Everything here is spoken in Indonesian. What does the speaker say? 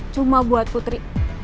cuma buat putri